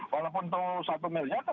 walaupun itu satu mil nyata